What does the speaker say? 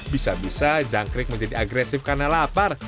bisa bisa jangkrik menjadi agresif karena lapar